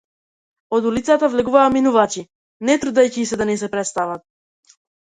Од улицата влегуваа минувачи, не трудејќи се ни да се претстават.